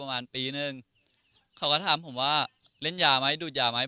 ประมาณปีนึงเขาก็ถามผมว่าเล่นยาไหมดูดยาไหม